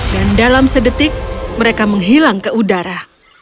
dan dalam sedetik mereka menghilang ke udara